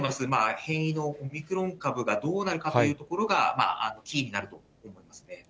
変異のオミクロン株がどうなるかというところが、キーになると思いますね。